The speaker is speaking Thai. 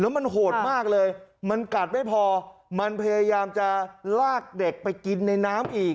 มันโหดมากเลยมันกัดไม่พอมันพยายามจะลากเด็กไปกินในน้ำอีก